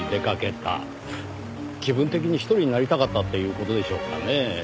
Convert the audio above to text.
気分的に一人になりたかったっていう事でしょうかねぇ。